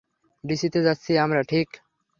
ডিসিতে যাচ্ছি আমরা, ঠিক?